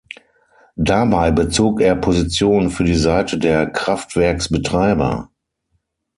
Dabei bezog er Position für die Seite der Kraftwerksbetreiber.